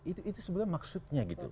itu sebenarnya maksudnya gitu